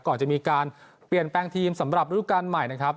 ก่อนจะมีการเปลี่ยนแปลงทีมสำหรับฤดูการใหม่นะครับ